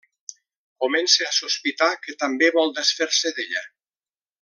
Comença a sospitar que també vol desfer-se d'ella.